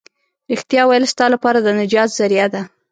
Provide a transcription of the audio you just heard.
رښتيا ويل ستا لپاره د نجات ذريعه ده.